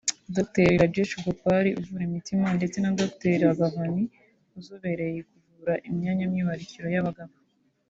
Dr Rajesh Gopal uvura imitima ndetse na Dr Ragavan uzobereye kuvura imyanya myibarukiro y’abagabo